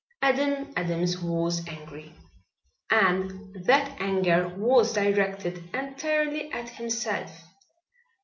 Adam Adams was angry, and that anger was directed entirely at himself.